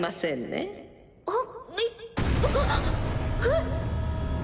えっ。